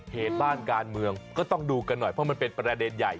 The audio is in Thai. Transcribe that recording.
เหตุบ้านการเมืองก็ต้องดูกันหน่อยเพราะมันเป็นประเด็นใหญ่